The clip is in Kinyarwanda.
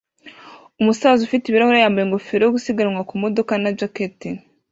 Umusaza ufite ibirahuri yambaye ingofero yo gusiganwa ku modoka na jacket